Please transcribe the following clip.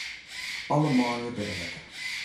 Alle manlju binne wekker.